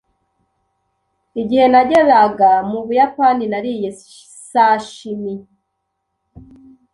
Igihe nageraga mu Buyapani nariye sashimi.